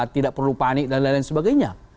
tidak perlu panik dan lain lain sebagainya